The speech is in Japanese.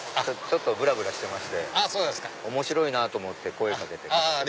ちょっとぶらぶらしてまして面白いなと思って声掛けて。